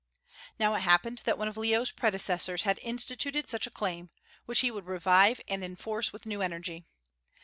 Now it happened that one of Leo's predecessors had instituted such a claim, which he would revive and enforce with new energy.